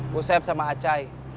busep sama acay